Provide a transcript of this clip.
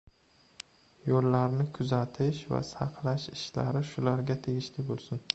yo‘llarni kuzatish va saqlash ishlari shularga tegishli bo‘lsin.